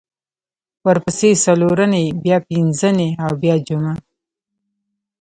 ورپسې څلورنۍ بیا پینځنۍ او بیا جمعه